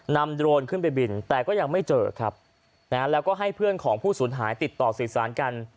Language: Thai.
โดรนขึ้นไปบินแต่ก็ยังไม่เจอครับนะฮะแล้วก็ให้เพื่อนของผู้สูญหายติดต่อสื่อสารกัน